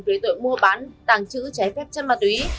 với tội mua bán tàng trữ cháy phép chân ma túy